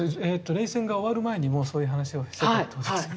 冷戦が終わる前にもうそういう話をしてたってことですね。